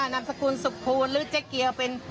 นามสกุลสุขภูลหรือเจ๊เกียวเป็น